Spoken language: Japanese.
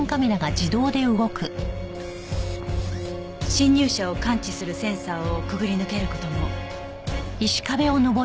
侵入者を感知するセンサーをくぐり抜ける事も。